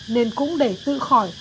nên cũng để tự khỏi